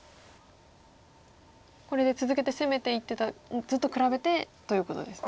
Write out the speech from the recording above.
これで続けて攻めていってた図と比べてということですよね。